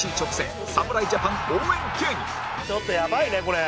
ちょっとやばいねこれ。